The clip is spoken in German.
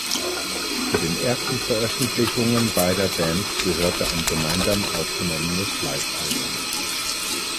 Zu den ersten Veröffentlichungen beider Bands gehörte ein gemeinsam aufgenommenes Livealbum.